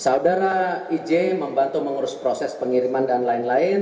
saudara ij membantu mengurus proses pengiriman dan lain lain